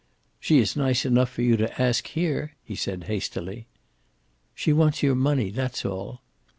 "She is nice enough for you to ask here," he said hastily. "She wants your money. That's all."